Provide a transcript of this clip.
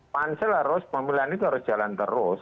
pansel harus pemilihan itu harus jalan terus